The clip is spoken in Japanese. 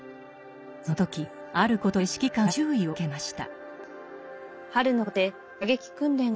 その時あることで指揮官から注意を受けました。